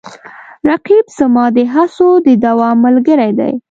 رقیب زما د هڅو د دوام ملګری دی